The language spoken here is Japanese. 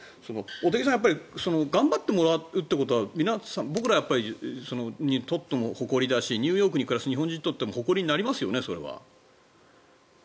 茂木さん頑張ってもらうということは僕らにとっても誇りだしニューヨークに住んでいる日本人にとっても誇りになりますよね、それは。